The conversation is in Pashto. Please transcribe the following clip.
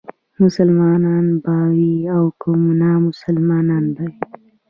مسلمان به وي او که نامسلمان به وي.